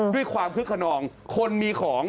ด้วยความคึกขนองคนมีของ